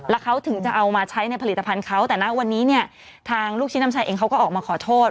แล้วเขาถึงจะเอามาใช้ในผลิตภัณฑ์เขาแต่นะวันนี้เนี่ยทางลูกชิ้นน้ำชายเองเขาก็ออกมาขอโทษ